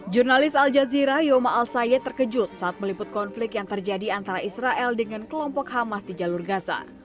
jurnalis al jazeera yoma al sayed terkejut saat meliput konflik yang terjadi antara israel dengan kelompok hamas di jalur gaza